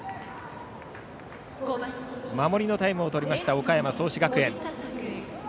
守りのタイムをとりました岡山・創志学園。